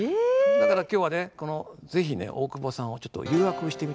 だから今日はね是非ね大久保さんをちょっと誘惑をしてみたいなと。